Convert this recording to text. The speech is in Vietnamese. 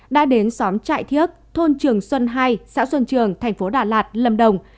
đã đến xóm trại thiếc thôn trường xuân hai xã xuân trường tp đà lạt lâm đồng